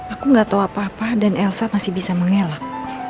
aku nggak tahu apa apa dan elsa masih bisa mengelak